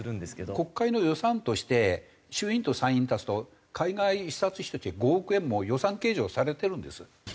国会の予算として衆院と参院足すと海外視察費として５億円もう予算計上されてるんです。